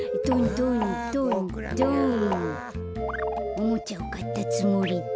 おもちゃをかったつもりで。